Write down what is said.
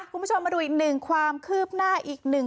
คุณผู้ชมมาดูอีกหนึ่งความคืบหน้าอีกหนึ่ง